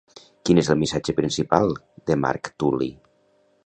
Quin és el missatge principal de Marc Tul·li?